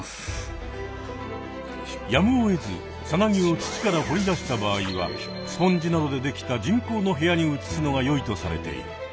やむをえずさなぎを土から掘り出した場合はスポンジなどでできた人工の部屋に移すのがよいとされている。